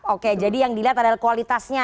oke jadi yang dilihat adalah kualitasnya